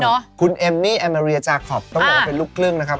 คุณเอมมี่แอมาเรียจาคอปต้องบอกว่าเป็นลูกครึ่งนะครับ